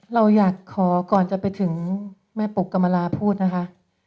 เราอยากขอก่อนจะไปถึงแม่ปกกรรมราพูดนะคะ